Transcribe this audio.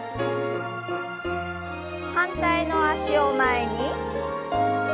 反対の脚を前に。